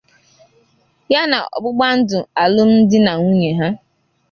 ya na ọgbụgba ndụ alumdi na nwunye ha